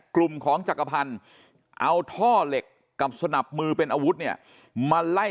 กลุ่มของจักรพันธ์เอาท่อเหล็กกับสนับมือเป็นอาวุธเนี่ยมาไล่